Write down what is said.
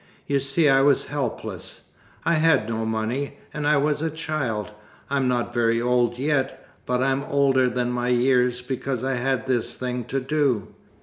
You see I was helpless. I had no money, and I was a child. I'm not very old yet, but I'm older than my years, because I had this thing to do.